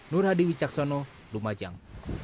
nur hadi wicaksono lumajang